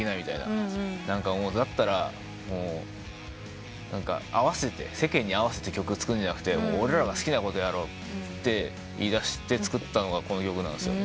「だったら世間に合わせて曲作るんじゃなくて俺らが好きなことやろう」って言いだして作ったのがこの曲なんすよ。